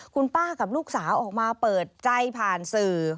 คุณป้ากับลูกสาวออกมาเปิดใจผ่านสื่อ